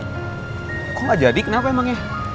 kok gak jadi kenapa emangnya